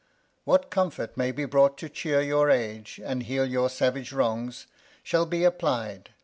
What Comfort may be brought to chear your Age, And heal your savage Wrongs, shall be apply'd.